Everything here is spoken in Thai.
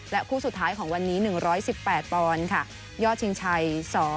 และคู่สุดท้ายของวันนี้หนึ่งร้อยสิบแปดปอนต์ค่ะย่อชิงชัยสอ